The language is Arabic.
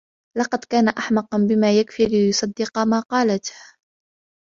لقد كان أحمق بما يكفي ليصدق ما قالته.